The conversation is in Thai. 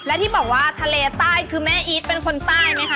และที่บอกว่าทะเลใต้คือแม่อีทเป็นคนใต้ไหมคะ